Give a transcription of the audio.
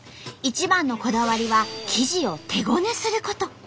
一番のこだわりは生地を手ごねすること。